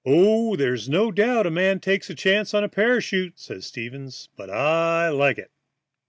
"Oh, there's no doubt a man takes chances on a parachute," said Stevens, "but I like it."